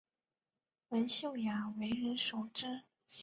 文秀雅为人熟知。